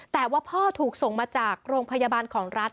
แต่ว่าพ่อถูกส่งมาจากโรงพยาบาลของรัฐ